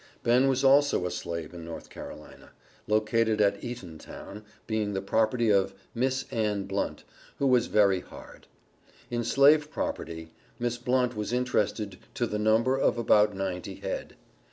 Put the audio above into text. Ben was also a slave in North Carolina located at Eatontown, being the property of "Miss Ann Blunt, who was very hard." In slave property Miss Blunt was interested to the number of about "ninety head."